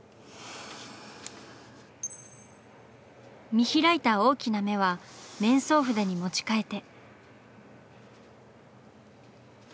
見開いた大きな目は面相筆に持ち替えて。